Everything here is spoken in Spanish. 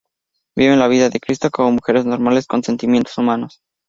Viven la vida de Cristo como mujeres normales, con sentimientos humanos.